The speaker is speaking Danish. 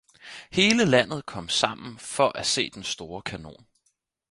Hele landet kom sammen for at se den store kanon.